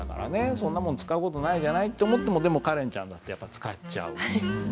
そんなもん使う事ないじゃないって思ってもでもカレンちゃんだってやっぱ使っちゃう。